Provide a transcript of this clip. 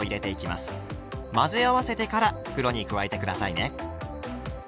混ぜ合わせてから袋に加えて下さいね。